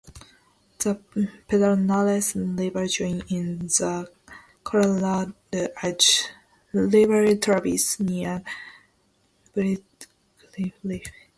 The Pedernales River joins the Colorado at Lake Travis near Briarcliff.